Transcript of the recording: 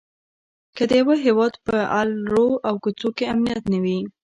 که د یوه هيواد په الرو او کوڅو کې امنيت نه وي؛